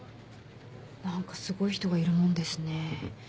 何かすごい人がいるもんですね。